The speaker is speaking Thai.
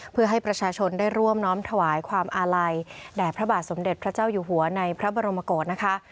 เพื่อให้ประชาชนได้ร่วมน้อมถวายความอาลัยแด่พระบาทสมเด็จพระเจ้าอยู่หัวในพระบรมโกศนะคะ